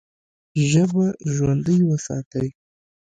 ژبه ژوندۍ وساتئ!